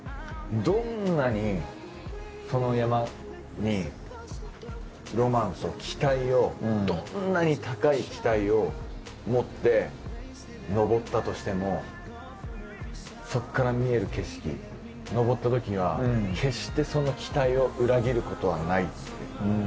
どんなにその山にロマンと期待をどんなに高い期待を持って登ったとしてもそっから見える景色登った時には決してその期待を裏切ることはないって。